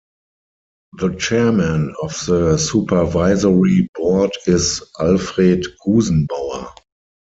The Chairman of the supervisory board is Alfred Gusenbauer.